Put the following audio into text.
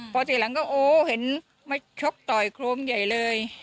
พอทีหลังก็โอ้เห็นมาชกต่อยโครมใหญ่เลย